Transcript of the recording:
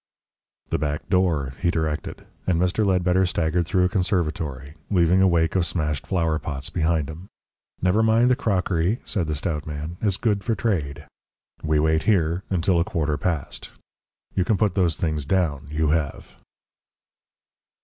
"The back door," he directed, and Mr. Ledbetter staggered through a conservatory, leaving a wake of smashed flower pots behind him. "Never mind the crockery," said the stout man; "it's good for trade. We wait here until a quarter past. You can put those things down. You have!"